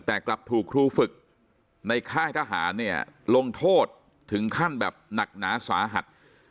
แต่กลับถูกครูฝึกในค่ายทหารเนี่ยลงโทษถึงขั้นแบบหนักหนาสาหัส